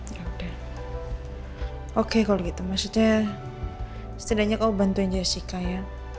ya udah oke kalau gitu maksudnya setidaknya oh bantuan jessica ya